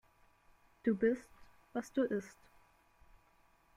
Du bist, was du isst.